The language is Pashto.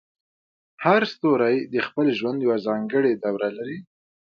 هر ستوری د خپل ژوند یوه ځانګړې دوره لري.